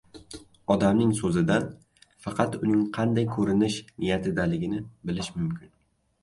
Odamning so‘zidan faqat uning qanday ko‘rinish niyatidaligini bilish mumkin